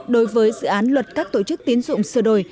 đối với dự án luật các tổ chức tiến dụng sửa đổi